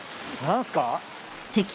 何すか？